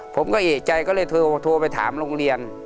ผมก็เอกใจก็เลยโทรไปถามโรงเรียน